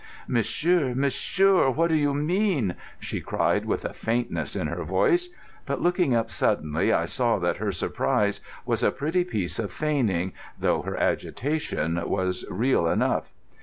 "Monsieur, monsieur, what do you mean?" she cried, with a faintness in her voice. But looking up suddenly, I saw that her surprise was a pretty piece of feigning, though her agitation was real enough.